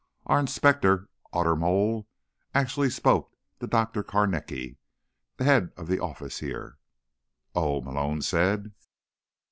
Our Inspector Ottermole actually spoke to Dr. Carnacki, the head of the office here." "Oh," Malone said.